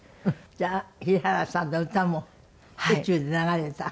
じゃあ平原さんの歌も宇宙で流れた？